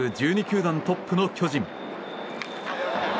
球団トップの巨人。